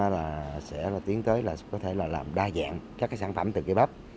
là sẽ tiến tới là có thể là làm đa dạng các cái sản phẩm từ cây bắp